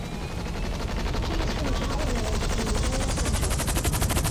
He is from Java Village in Buhera Central.